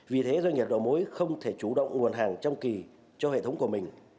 vì thế doanh nghiệp đầu mối không thể chủ động nguồn hàng trong kỳ cho hệ thống của mình